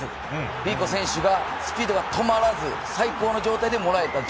リーコ選手、スピードが止まらず、最高の状態でもらった。